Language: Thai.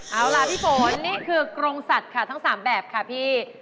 เอาล่ะพี่ฝนนี่คือกรงสัตว์ค่ะทั้ง๓แบบค่ะพี่